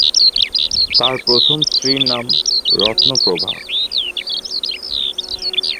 তার প্রথম স্ত্রীর নাম রত্ন প্রভা।